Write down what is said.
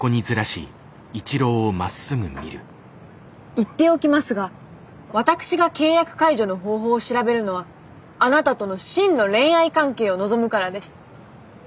言っておきますが私が契約解除の方法を調べるのはあなたとの真の恋愛関係を望むからです。